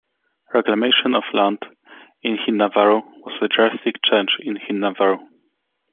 Reclamation of land in Hinnavaru was a drastic change in Hinnavaru.